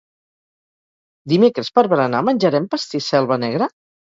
Dimecres per berenar menjarem pastís selva negra?